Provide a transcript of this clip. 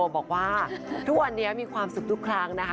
บอกว่าทุกวันนี้มีความสุขทุกครั้งนะคะ